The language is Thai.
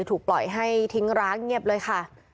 ถูกปล่อยให้ทิ้งร้างเงียบเลยค่ะ